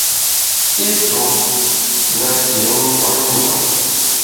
I tuo na shi i nkwet njap.